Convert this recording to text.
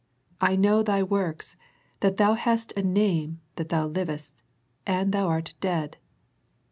" I know thy works, that thou hast a name that thou livest, and thou art dead."